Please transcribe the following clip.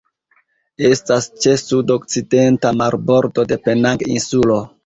Estas ĉe sudokcidenta marbordo de Penang-insulo.